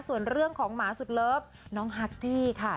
ส่วนเรื่องของหมาสุดเลิฟน้องฮัตตี้ค่ะ